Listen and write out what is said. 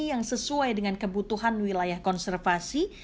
yang sesuai dengan kebutuhan wilayah konservasi